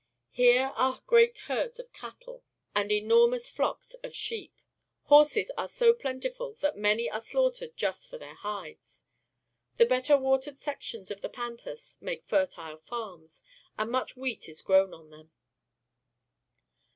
Here are great herds of cattle and enormous flocks of sheep. Horses are so plentiful that many are slaughtered just for their hides. The better watered sections of the pampas make fertile farms, and much wheat is grown on them.